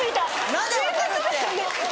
何で「分かる」って？